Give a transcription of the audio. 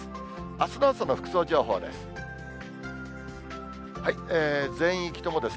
あすの朝の服装情報です。